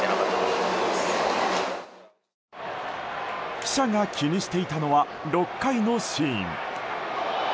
記者が気にしていたのは６回のシーン。